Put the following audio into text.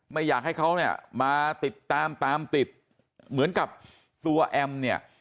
ไม่อยากให้เขาเนี่ยมาติดตามตามติดเหมือนกับตัวแอมเนี่ย